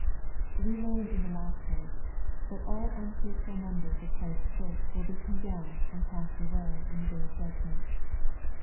We learn in the last place, that all unfruitful mernbera of Ohrisfs Church will he condemned and cast away in the day of judgment.